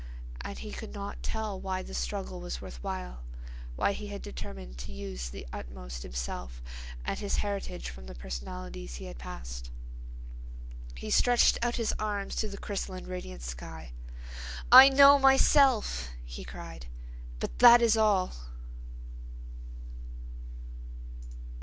And he could not tell why the struggle was worth while, why he had determined to use to the utmost himself and his heritage from the personalities he had passed.... He stretched out his arms to the crystalline, radiant sky. "I know myself," he cried, "but that is all."